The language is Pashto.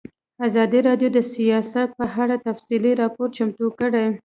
ازادي راډیو د سیاست په اړه تفصیلي راپور چمتو کړی.